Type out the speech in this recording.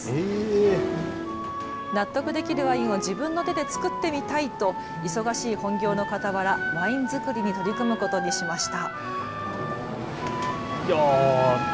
納得できるワインを自分の手で造ってみたいと忙しい本業のかたわらワイン造りに取り組むことにしました。